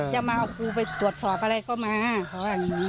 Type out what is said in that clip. จะมาเอาครูไปตรวจสอบอะไรก็มาเขาว่าอย่างนี้